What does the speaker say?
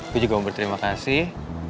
gue juga mau berterima kasih